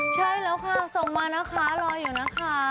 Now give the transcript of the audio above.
ใช่แล้วค่ะส่งมานะคะรออยู่นะคะ